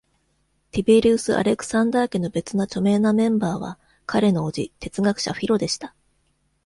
ティベリウス・アレクサンダー家の別の著名なメンバーは彼の叔父、哲学者フィロでした。